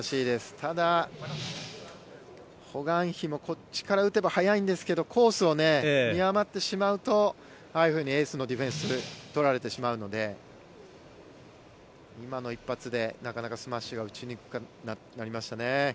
ただ、ホ・グァンヒもこっちから打てば速いんですがコースを見誤ってしまうとああいうふうにエースのディフェンスが取られてしまうので今の一発でなかなかスマッシュが打ちにくくなりましたね。